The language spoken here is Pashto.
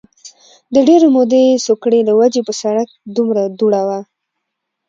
د ډېرې مودې سوکړې له وجې په سړک دومره دوړه وه